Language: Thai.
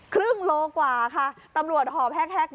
ครึ่งโลกกว่าค่ะตำรวจห่อแฮกเลยด้วย